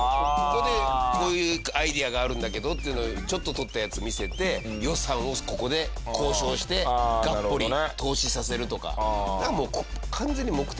ここでこういうアイデアがあるんだけどっていうのちょっと撮ったやつ見せて予算をここで交渉してがっぽり投資させるとか。